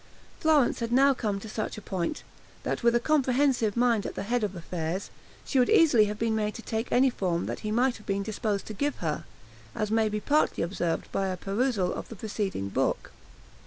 Florence had now come to such a point, that with a comprehensive mind at the head of affairs she would easily have been made to take any form that he might have been disposed to give her; as may be partly observed by a perusal of the preceding book.